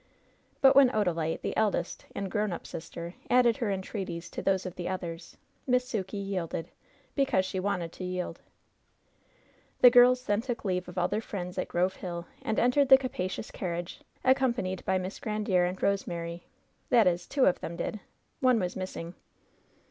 But when Odalite, the eldest and grown up sister, added her entreaties to those of the others, Miss Sukey yielded, because she wanted to yield. The girls then took leave of all their friends at Grove Hill and entered the capacious carriage, accompanied by Miss Grandiere and Eosemary — that is, two of them did. One was missing.